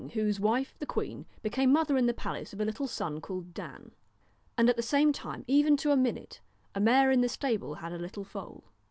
whose wife, the queen, became mother KNOW in the palace of a little son called Dan. And at the same time, even to a minute, a mare in the stable had a little foal.